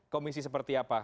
komisi seperti apa